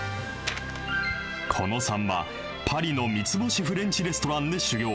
狐野さんは、パリの三つ星フレンチレストランで修業。